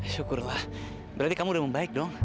syukurlah berarti kamu udah membaik dong